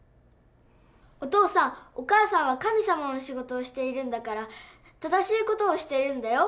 お父さん、お母さんは神様の仕事をしているんだから、正しいことをしているんだよ。